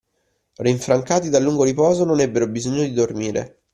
Rinfrancati dal lungo riposo, non ebbero bisogno di dormire